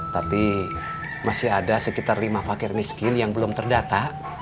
tapi masih ada sekitar lima fakir miskin yang belum terdata